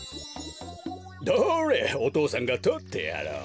どれお父さんがとってやろう。